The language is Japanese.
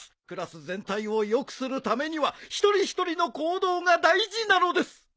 クラス全体を良くするためには一人一人の行動が大事なのです！